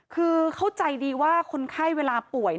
คือเข้าใจดีว่าคนไข้เวลาป่วย